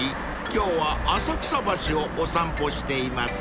今日は浅草橋をお散歩しています］